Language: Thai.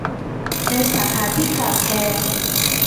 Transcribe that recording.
ในสาขาที่ขาดแคลน